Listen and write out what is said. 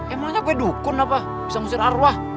emangnya gue dukun apa bisa ngusir arwah